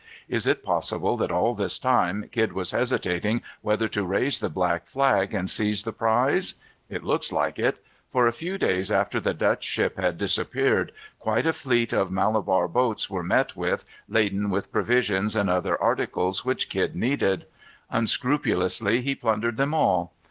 Is it possible that all this time Kidd was hesitating whether to raise the black flag and seize the prize? It looks like it; for a few days after the Dutch ship had disappeared, quite a fleet of Malabar boats were met with, laden with provisions and other articles which Kidd needed. Unscrupulously he plundered them all.